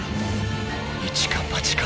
［一か八か］